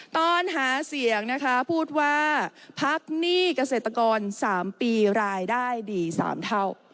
ตอนหาเสียงนะคะพูดว่าพักหนี้เกษตรกร๓ปีรายได้ดี๓เท่า